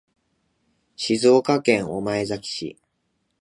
静岡県御前崎市